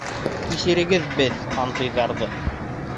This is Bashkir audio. Кисерегеҙ беҙ, һантыйҙарҙы.